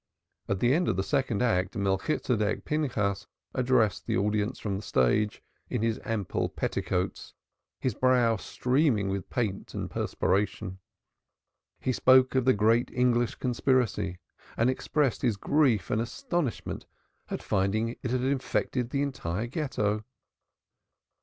At the end of the second act, Melchitsedek Pinchas addressed the audience from the stage, in his ample petticoats, his brow streaming with paint and perspiration. He spoke of the great English conspiracy and expressed his grief and astonishment at finding it had infected the entire Ghetto.